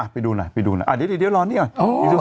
ไปดูหน่อยเดี๋ยวรอนี่หน่อย